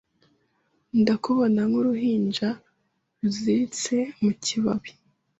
Ndakubona nkuruhinja ruziritse mu kibabi